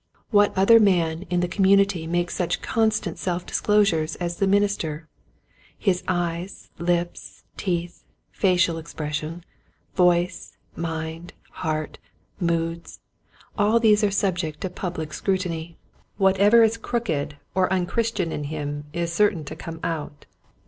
What other man in the com munity makes such constant self disclo sures as the minister ? His eyes, lips, teeth, facial expression, voice, mind, heart, moods, all these are subjected to public scrutiny. Whatever is crooked or un christian in him is certain to come out.